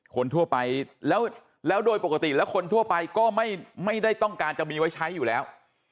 คนทั่วไปแล้วโดยปกติแล้วคนทั่วไปก็ไม่ได้ต้องการจะมีไว้ใช้อยู่แล้ว